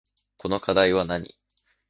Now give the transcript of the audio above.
この課題はなに